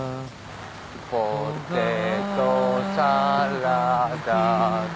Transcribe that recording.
「ポテトサラダで」